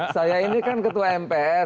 saya ini kan ketua mpr